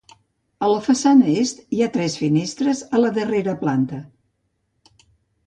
A la façana est hi ha tres finestres a la darrera planta.